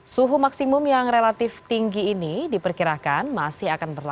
suhu maksimum yang relatif tinggi ini diperkirakan masih akan berlaku